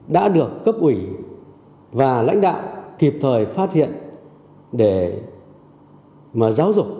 đã được cấp ủy và lãnh đạo kịp thời phát hiện để mà giáo dục